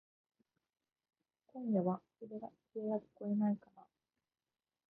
今夜は笛がきこえないかなぁ。